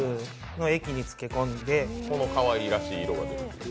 このかわいらしい色が出る。